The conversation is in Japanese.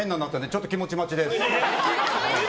ちょっと気持ち待ちです。